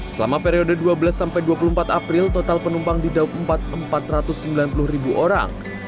selama periode dua belas sampai dua puluh empat april total penumpang di daup empat empat ratus sembilan puluh ribu orang